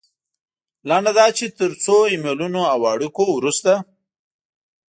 لنډه دا چې تر څو ایمیلونو او اړیکو وروسته.